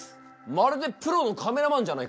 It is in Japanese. まるでプロのカメラマンじゃないか！